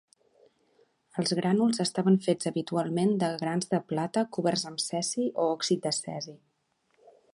Els grànuls estaven fets habitualment de grans de plata coberts amb cesi o òxid de cesi.